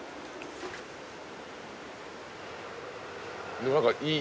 でも何かいい。